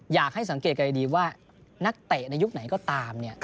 อยากให้สังเกตกันดีว่านักเตะในยุคไหนก็ตาม